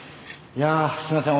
いやすみません。